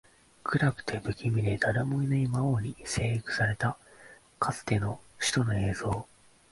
暗くて、不気味で、誰もいない魔王に征服されたかつての首都の映像